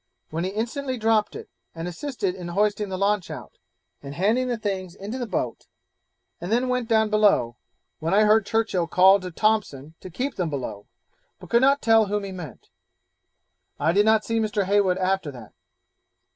when he instantly dropped it, and assisted in hoisting the launch out, and handing the things into the boat, and then went down below, when I heard Churchill call to Thompson to keep them below, but could not tell whom he meant; I did not see Mr. Heywood after that.'